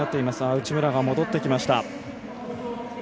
内村、戻ってきました。